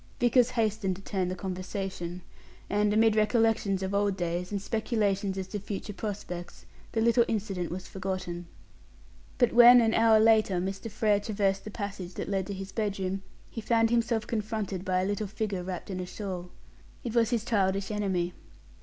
Vickers hastened to turn the conversation, and, amid recollections of old days, and speculations as to future prospects, the little incident was forgotten. But when, an hour later, Mr. Frere traversed the passage that led to his bedroom, he found himself confronted by a little figure wrapped in a shawl. It was his childish enemy.